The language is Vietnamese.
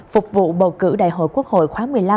phục vụ bầu cử đại hội quốc hội khóa một mươi năm